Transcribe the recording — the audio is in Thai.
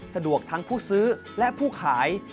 สะดวกทั้งผู้ซื้อและผู้ขาย